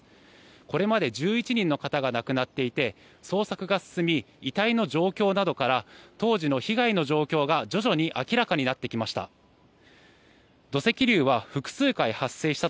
これまで１１人の方が亡くなっていて捜索が進み、遺体の状況などから当時の被害の状況が徐々に明らかになってきました。